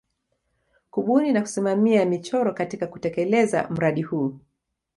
Kubuni na kusimamia michoro katika kutelekeza mradio huu